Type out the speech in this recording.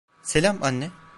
Selam, anne.